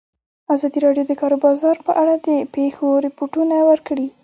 ازادي راډیو د د کار بازار په اړه د پېښو رپوټونه ورکړي.